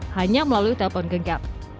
hanya melalui telepon genggam